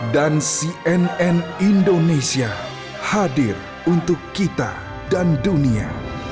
dan cnn indonesia hadir untuk kita dan dunia